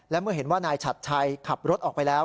และเมื่อเห็นว่านายฉัดชัยขับรถออกไปแล้ว